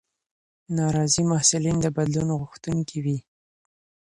ناراضي محصلین د بدلون غوښتونکي وي.